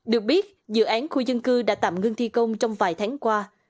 được biết dự án khu dân cư đã tạm ngưng thi công trong vài tháng qua